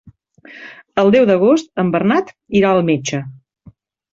El deu d'agost en Bernat irà al metge.